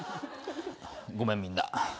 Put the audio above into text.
ごめんみんな。